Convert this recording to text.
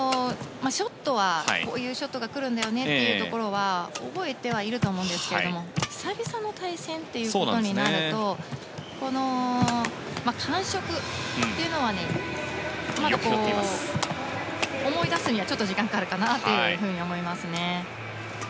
こういうショットが来るんだよねということは覚えてはいると思うんですけれども久々の対戦ということになると感触というのは思い出すには時間がかかるかなと思いますね。